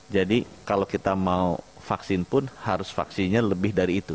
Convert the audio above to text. jadi kalau kita mau vaksin pun harus vaksinnya lebih dari itu